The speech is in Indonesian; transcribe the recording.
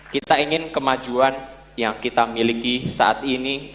kita ingin kemajuan yang kita miliki saat ini